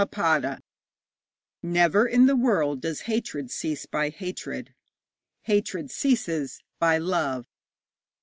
CHAPTER VI WAR II 'Never in the world does hatred cease by hatred. Hatred ceases by love.'